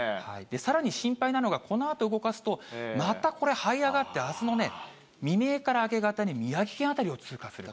さらに心配なのが、このあと動かすと、またこれ、はい上がって、あすの未明から明け方に、宮城県辺りを通過する。